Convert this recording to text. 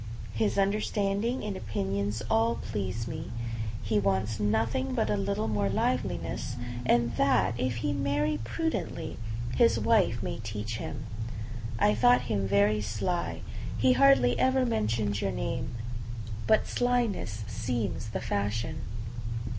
His understanding and opinions all please me; he wants nothing but a little more liveliness, and that, if he marry prudently, his wife may teach him. I thought him very sly; he hardly ever mentioned your name. But slyness seems the fashion.